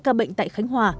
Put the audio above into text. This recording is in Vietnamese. hai ca bệnh tại khánh hòa